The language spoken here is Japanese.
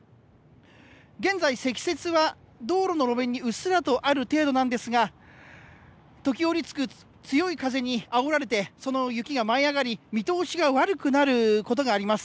現在、積雪は道路の路面にうっすらとある程度なんですが、時折吹く強い風に、あおられて、その雪が舞い上がり、見通しが悪くなることがあります。